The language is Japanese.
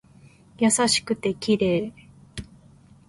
優しくて綺麗